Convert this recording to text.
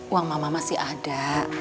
uang mama masih ada